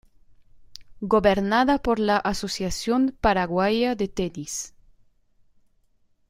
Gobernada por la Asociación Paraguaya de Tenis.